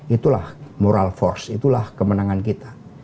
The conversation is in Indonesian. itulah moral force itulah kemenangan kita